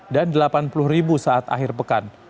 dan delapan puluh ribu saat akhir pekan